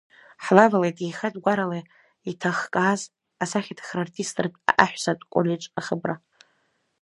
Ҳлавалеит еихатә гәарала иҭахкааз, асахьаҭыхра-артистратә аҳәсатә коллеџь ахыбра.